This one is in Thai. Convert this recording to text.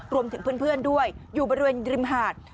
รวมถึงเพื่อนด้วยอยู่บริเวณริมหาด